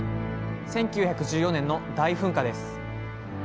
１９１４年の大噴火です。